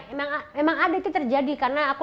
iya emang ada sih terjadi karena aku